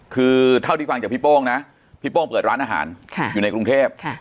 คือเท่าที่ฟังจากพี่โป้งนะพี่โป้งเปิดร้านอาหารอยู่ในกรุงเทพ